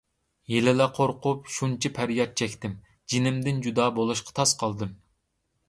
ھېلىلا قورقۇپ شۇنچە پەرياد چەكتىم، جېنىمدىن جۇدا بولۇشقا تاس قالدىم.